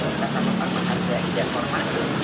kita sama sama hargai dan hormati